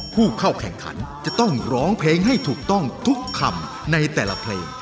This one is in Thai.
ผู้เข้าแข่งขันจะต้องร้องเพลงให้ถูกต้องทุกคำในแต่ละเพลง